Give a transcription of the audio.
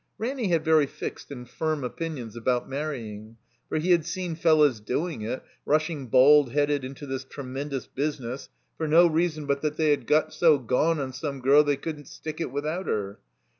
Ranny had very fixed and firm opinions about manying; for he had seen fellows doing it, rushing bald headed 5 59 THE COMBINED MAZE into this tremendous business, for no reason but that they had got so gone on some girl they couldn't stick it without her.